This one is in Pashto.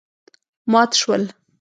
مات شول.